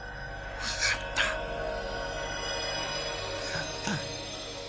わかった。